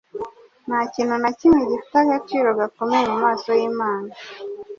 Nta kintu na kimwe gifite agaciro gakomeye mu maso y’Imana.